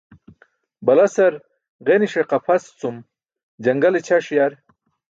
Balasar ġenise qapʰas cum jaṅgale ćʰaṣ yar.